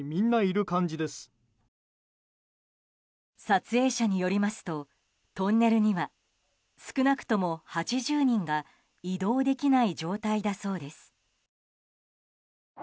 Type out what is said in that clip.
撮影者によりますとトンネルには少なくとも８０人が移動できない状態だそうです。